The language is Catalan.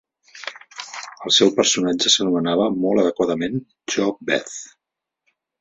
El seu personatge s'anomenava, molt adequadament, JoBeth.